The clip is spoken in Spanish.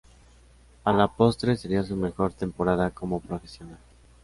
A la postre, sería su mejor temporada como profesional.